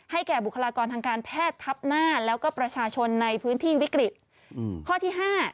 ให้แก่บุคลากรทางการแพทย์ทัพหน้าและประชาชนในพื้นที่วิกฤติ